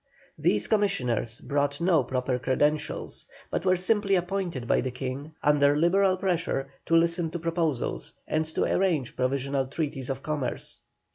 These commissioners brought no proper credentials, but were simply appointed by the King, under Liberal pressure, to listen to proposals, and to arrange provisional treaties of commerce.